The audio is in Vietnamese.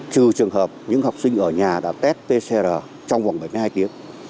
trừ trường hợp những học sinh ở nhà đã test pcr trong vòng bảy mươi hai tiếng